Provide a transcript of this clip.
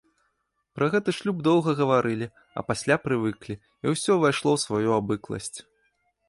Пра гэты шлюб доўга гаварылі, а пасля прывыклі, і ўсё ўвайшло ў сваю абыкласць.